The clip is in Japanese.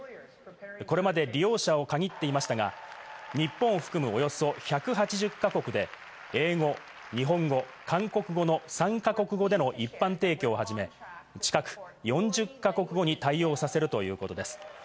これまで利用者を限っていましたが、日本を含むおよそ１８０か国で英語・日本語・韓国語の３か国語での一般提供を始め、近く４０か国語に対応させるということです。